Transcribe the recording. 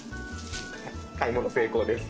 買い物成功です。